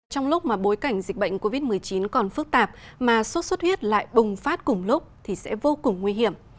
trong lúc mà bối cảnh dịch bệnh covid một mươi chín còn phức tạp mà sốt xuất huyết lại bùng phát cùng lúc thì sẽ vô cùng nguy hiểm